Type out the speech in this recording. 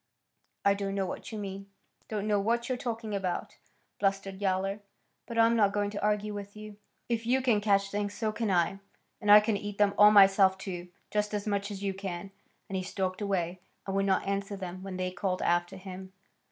"I don't know what you mean; don't know what you're talking about," blustered Yowler. "But I'm not going to argue with you. If you can catch things, so can I. And I can eat them all myself, too, just as much as you can." And he stalked away, and would not answer them when they called after him.